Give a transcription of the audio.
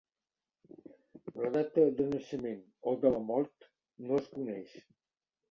La data de naixement o de la mort no es coneix.